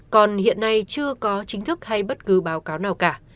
còn hiện nay chưa có chính thức hay bất cứ báo cáo nào cả